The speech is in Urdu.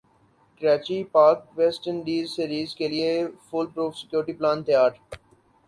Karachi Pak West Indies series کیلئے فول پروف سیکورٹی پلان تیار